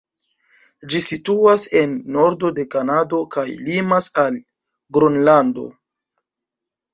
Ĝi situas en nordo de Kanado kaj limas al Gronlando.